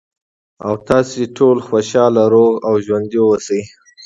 ، او تاسې ټول خوشاله، روغ او ژوندي اوسئ.